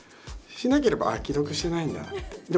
しなければ既読しないんだって。